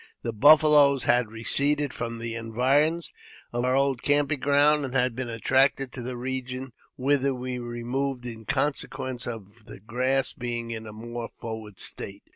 The buffaloes had receded from the environs of our old camp ing ground, and had been attracted to the region whither we removed in consequence of the grass being in a more forward state.